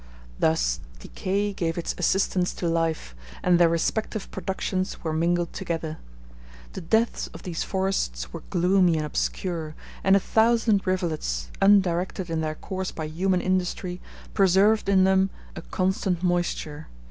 Thus decay gave its assistance to life, and their respective productions were mingled together. The depths of these forests were gloomy and obscure, and a thousand rivulets, undirected in their course by human industry, preserved in them a constant moisture.